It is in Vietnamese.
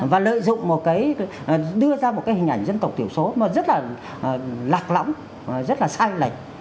và lợi dụng một cái đưa ra một cái hình ảnh dân tộc thiểu số mà rất là lạc lõng rất là sai lệch